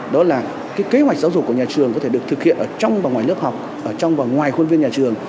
đó là kế hoạch giáo dục của nhà trường có thể được thực hiện ở trong và ngoài lớp học trong và ngoài khuôn viên nhà trường